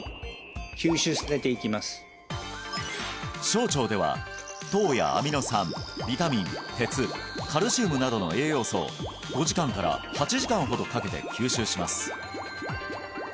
小腸では糖やアミノ酸ビタミン鉄カルシウムなどの栄養素を５時間から８時間ほどかけて吸収します